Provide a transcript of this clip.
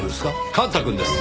幹太くんです！